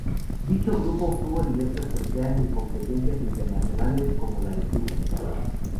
Dicho grupo obtuvo diversas preseas en competencias internacionales, como la de Tours.